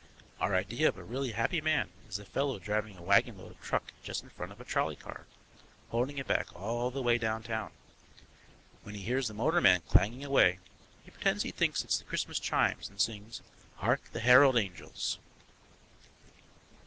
Our idea of a really happy man is the fellow driving a wagonload of truck just in front of a trolley car, holding it back all the way downtown; when he hears the motorman clanging away he pretends he thinks it's the Christmas chimes and sings "Hark the Herald Angels."